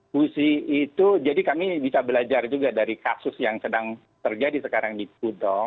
pusi itu jadi kami bisa belajar juga dari kasus yang sedang terjadi sekarang di pudong